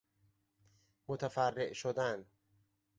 متفرع شدن